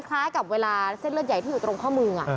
คล้ายกับเวลาเส้นเลือดใหญ่ที่อยู่ตรงข้อมือ